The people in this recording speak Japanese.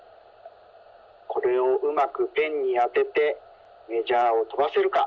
これをうまくペンにあててメジャーをとばせるか。